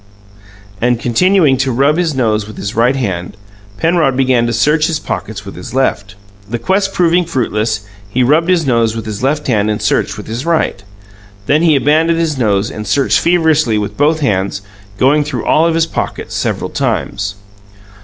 And, continuing to rub his nose with his right hand, Penrod began to search his pockets with his left. The quest proving fruitless, he rubbed his nose with his left hand and searched with his right. Then he abandoned his nose and searched feverishly with both hands, going through all of his pockets several times.